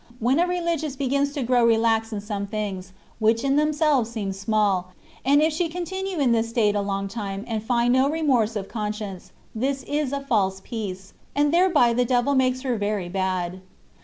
When a Seligious begins to grow relax in some things^ which in themselves seem small^ and if she continue in this state a long time and find no remorse of conscience^ this is a false peace ; and thereby the devil makes her very bad.